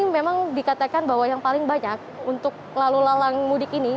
memang dikatakan bahwa yang paling banyak untuk lalu lalang mudik ini